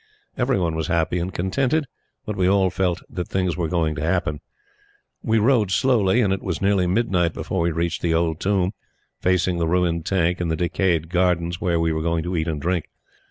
Every one was happy and contented; but we all felt that things were going to happen. We rode slowly: and it was nearly midnight before we reached the old tomb, facing the ruined tank, in the decayed gardens where we were going to eat and drink.